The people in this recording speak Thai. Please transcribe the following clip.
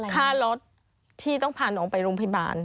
ค่ารถที่ต้องพาน้องไปโรงพยาบาล